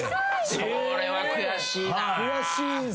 それは悔しいな。